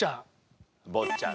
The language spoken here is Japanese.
『坊っちゃん』。